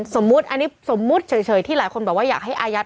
สมมุติอันนี้สมมุติเฉยที่หลายคนบอกว่าอยากให้อายัด